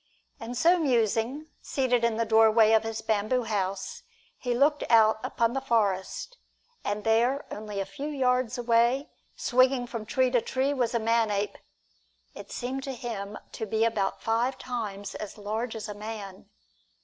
And so musing, seated in the doorway of his bamboo house, he looked out upon the forest, and there only a few yards away, swinging from tree to tree, was a man ape. It seemed to him to be about five times as large as a man.